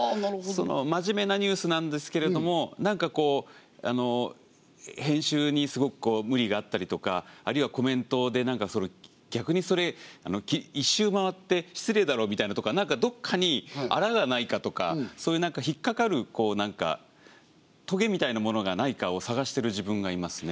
真面目なニュースなんですけれども何かこう編集にすごく無理があったりとかあるいはコメントで逆にそれ一周回って失礼だろうみたいなのとか何かどこかにあらがないかとかそういう何か引っ掛かるトゲみたいなものがないかを探してる自分がいますね。